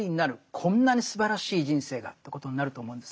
こんなにすばらしい人生がということになると思うんですね。